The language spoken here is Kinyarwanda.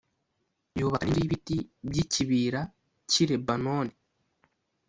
Yubaka n’inzu y’ibiti by’ikibira cy’i Lebanoni